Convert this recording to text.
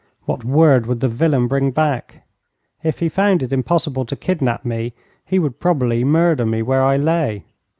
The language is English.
What word would the villain bring back? If he found it impossible to kidnap me, he would probably murder me where I lay.